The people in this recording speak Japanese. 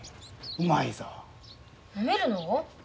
うまいぞ。飲めるの？